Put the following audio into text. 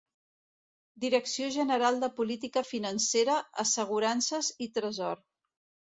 Direcció General de Política Financera, Assegurances i Tresor.